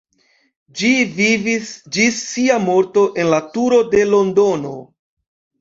Ĝi vivis ĝis sia morto en la turo de Londono.